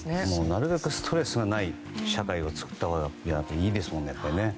なるべくストレスがない社会を作ったほうがいいですもんね。